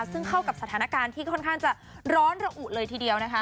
ซึ่งเข้ากับสถานการณ์ที่ค่อนข้างจะร้อนระอุเลยทีเดียวนะคะ